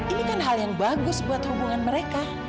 ini kan hal yang bagus buat hubungan mereka